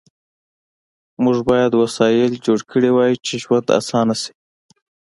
موږ باید وسایل جوړ کړي وای چې ژوند آسانه شي